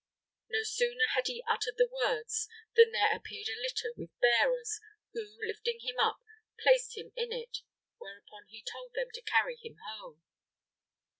No sooner had he uttered the words, than there appeared a litter, with bearers, who, lifting him up, placed him in it; whereupon he told them to carry him home.